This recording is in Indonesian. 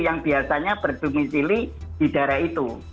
yang biasanya berdomisili di daerah itu